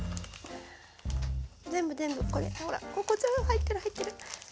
全部全部こうやってほらこっち入ってる入ってる。